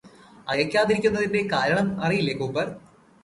അയയ്കാതിരുന്നതിന്റെ കാരണം അറയില്ലേ കൂപ്പര്